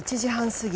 過ぎ